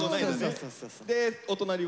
でお隣は？